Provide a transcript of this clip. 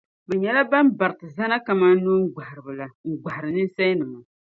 Bɛ nyɛla bɛn bariti zana kaman nooŋgbahiriba la n-gbahiri ninsalinima.